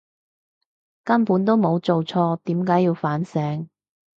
根本都冇做錯，點解要反省！